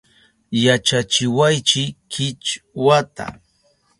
Yachachiwaychi Kichwata